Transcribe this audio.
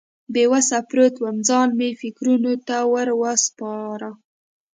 بې وسه پروت وم، ځان مې فکرونو ته ور وسپاره.